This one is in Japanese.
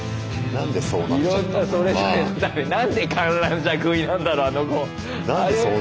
何で観覧車食いなんだろう